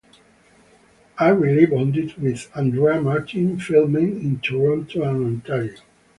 I really bonded with Andrea Martin, filming in Toronto and Ontario.